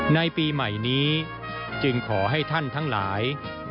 ในปีใหม่นี้จึงขอให้ท่านทั้งหลาย